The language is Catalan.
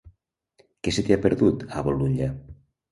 Què se t'hi ha perdut, a Bolulla?